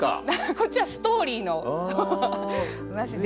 こっちはストーリーの話で。